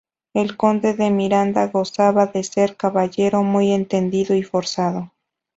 El Conde de Miranda gozaba de ser caballero muy entendido y forzado.